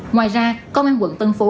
ngoài ra công an quận tân phú